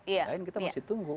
lain kita masih tunggu